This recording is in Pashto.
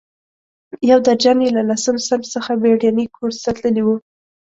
یو درجن یې له لسم صنف څخه بېړني کورس ته تللي وو.